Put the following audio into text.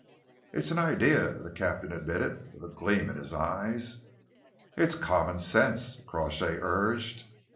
"It's an idea," the captain admitted, with a gleam in his eyes. "It's common sense," Crawshay urged.